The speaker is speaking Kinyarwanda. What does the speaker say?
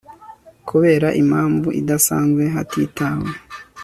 kubera impamvu idasanzwe, hatitawe